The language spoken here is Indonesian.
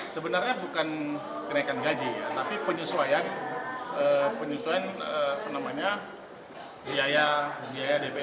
sebenarnya bukan kenaikan gaji tapi penyesuaian penyusuan penamanya biaya dprd